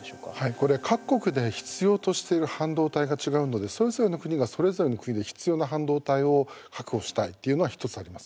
これ各国で必要としている半導体が違うのでそれぞれの国が、それぞれの国で必要な半導体を確保したいというのは１つあります。